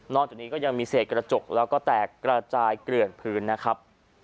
จากนี้ก็ยังมีเศษกระจกแล้วก็แตกกระจายเกลื่อนพื้นนะครับ